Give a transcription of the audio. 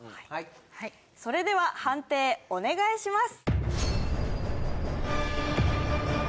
はいそれでは判定お願いします